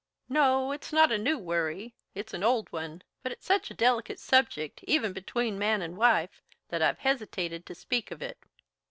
"No, it is not a new worry. It's an old one, but it's such a delicate subject, even between man and wife, that I've hesitated to speak of it.